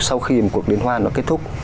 sau khi một cuộc liên hoan nó kết thúc